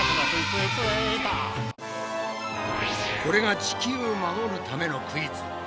これが地球を守るためのクイズ。